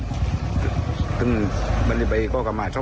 บริเวณกรรมหาชอบไหมประกันไหมประกันตัวไหม